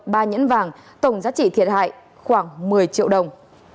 ba nhẫn vàng tổng giá trị thiệt hại khoảng một mươi triệu đồng